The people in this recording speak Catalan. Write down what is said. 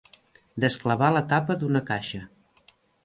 Desclavar la tapa d'una caixa.